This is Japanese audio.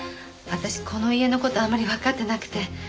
私この家の事あまりわかってなくて。